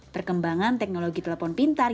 perkembangan teknologi telepon pintar